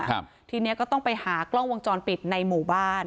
ทีเนี้ยก็ต้องไปหากล้องวงจรปิดในหมู่บ้าน